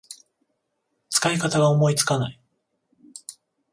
使い方が思いつかない